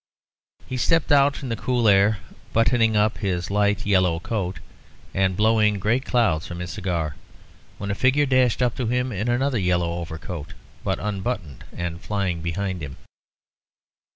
He stepped out into the cool air, buttoning up his light yellow coat, and blowing great clouds from his cigar, when a figure dashed up to him in another yellow overcoat, but unbuttoned and flying behind him.